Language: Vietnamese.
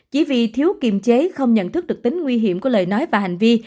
chỉ vì thiếu kiềm chế không nhận thức được tính nguy hiểm của lời nói và hành vi